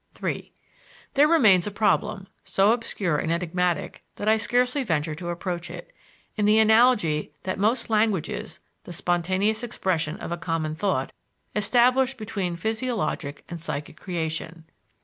III There remains a problem, so obscure and enigmatic that I scarcely venture to approach it, in the analogy that most languages the spontaneous expression of a common thought establish between physiologic and psychic creation.